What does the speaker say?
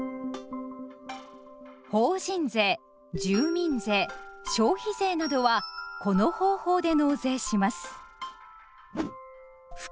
法人税住民税消費税などはこの方法で納税します。